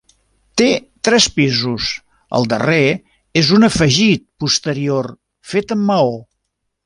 Té tres pisos; el darrer és un afegit posterior fet amb maó.